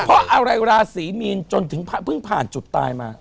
เพราะอะไรราศีมีนจนถึงเพิ่งผ่านจุดตายมา